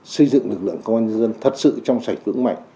xây dựng lực lượng công an dân thật sự trong sạch vững mạnh